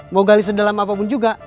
mau gali sedalam apapun juga